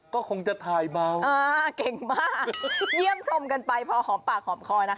ก็คงจะถ่ายเมาอ่าเก่งมากเยี่ยมชมกันไปพอหอมปากหอมคอนะคะ